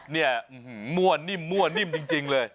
เนี่ยมั่วนิ่มมั่วนิ่มจริงเลย